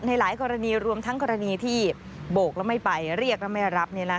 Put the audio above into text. หลายกรณีรวมทั้งกรณีที่โบกแล้วไม่ไปเรียกแล้วไม่รับ